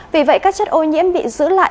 vì vậy các chất ô nhiễm bị giữ lại